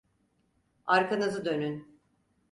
Arkanızı dönün!